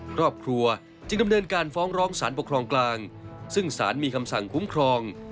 ครอบครัวจึงดำเนินการฟ้องร้องสารปกครองกลางซึ่งสารมีคำสั่งคุ้มครอง